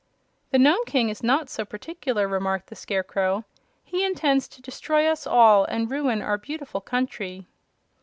"The Nome King is not so particular," remarked the Scarecrow. "He intends to destroy us all and ruin our beautiful country."